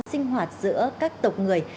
sinh hoạt giữa các tộc người